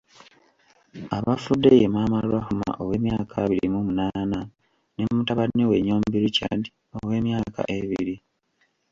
Abafudde ye maama Rahumah ow’emyaka abiri mu munaana ne mutabani we Nyombi Richard ow’emyaka ebiri.